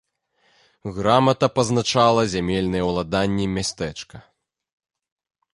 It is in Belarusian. Грамата пазначала зямельныя ўладанні мястэчка.